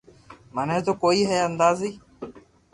مني تو ڪوئي ھي اندازي